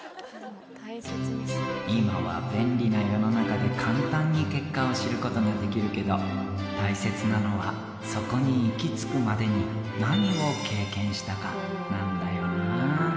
今は便利な世の中で、簡単に結果を知ることができるけど、大切なのは、そこに行き着くまでに何を経験したかなんだよなあ。